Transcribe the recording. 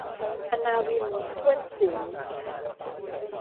อณาวิน ถ้วนศรี